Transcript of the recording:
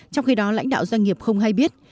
trong khi đó lãnh đạo doanh nghiệp không hay biết